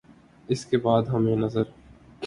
اس کے بعد ہمیں نظر